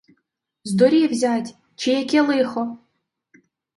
Здурів зять, чи яке лихо!